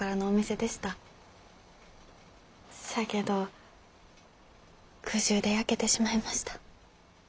しゃあけど空襲で焼けてしまいました。